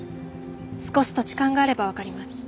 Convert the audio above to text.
少し土地勘があればわかります。